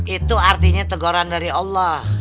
itu artinya teguran dari allah